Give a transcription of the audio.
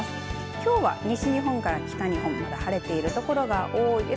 きょうは西日本から北日本まだ晴れている所が多いです。